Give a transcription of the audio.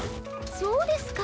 そうですか。